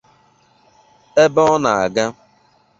ebe ọ na-aga